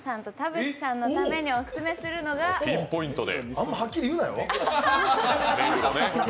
あんまはっきり言うなよ！